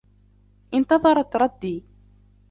انتظرتْ ردي.